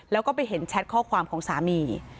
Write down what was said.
แล้วก็ไปเห็นแชทข้อความของสามี